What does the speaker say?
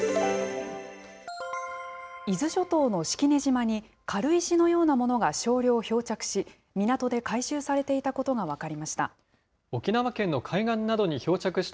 伊豆諸島の式根島に、軽石のようなものが少量漂着し、港で回収されていたことが分かりました。